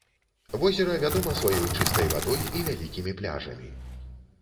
Возера вядома сваёй чыстай вадой і вялікімі пляжамі.